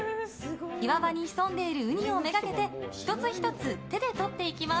岩場に潜んでいるウニをめがけて１つ１つ、手でとっていきます。